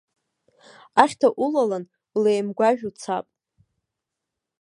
Ахьҭа улалан, улеимгәажә уцап!